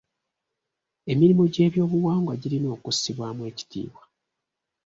Emirimu gy'ebyobuwangwa girina okussibwamu ekitiibwa.